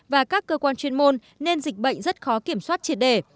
và các cơ quan chuyên môn nên dịch bệnh rất khó kiểm soát triệt đề